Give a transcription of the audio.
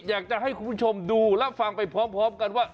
อยากจะให้คุณผู้ชมดูและฟังไปพร้อมกันว่า